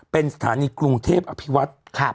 เป็นสถานีกรุงเทพฯอภิวัติค่ะ